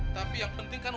tapi yang penting kan